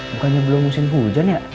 bukannya belum musim hujan ya